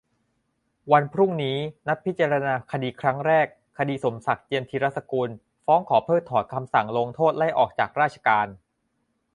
วันพรุ่งนี้ นัดพิจารณาคดีครั้งแรก คดีสมศักดิ์ เจียมธีรสกุล ฟ้องขอเพิกถอนคำสั่งลงโทษไล่ออกจากราชการ